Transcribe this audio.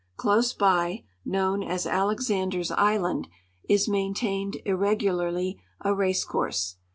Close by, known as Alexander's island, is maintained, irregularly, a race course.